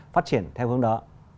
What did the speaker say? phát triển theo hướng đó